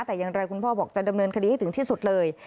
แต่อย่างไรคุณพ่อบอกจะดำเนินคดีให้ถึงที่สุดเลย